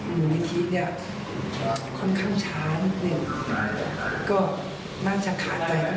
มีความเสียบใจอีกนิดเดียวเอง